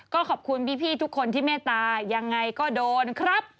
ก็ขอบคุณพี่ทุกคนที่เมตตายังไงก็โดนครับ